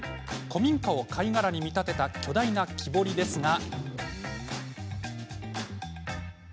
古民家を貝殻に見立てた巨大な木彫りですが。